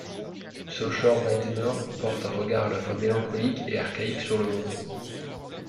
Sascher Weidner porte un regard à la fois mélancolique et archaïque sur le monde.